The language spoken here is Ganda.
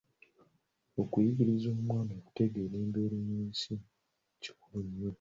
Okuyigiriza omwana okutegeera embeera y'ensi kikulu nnyo.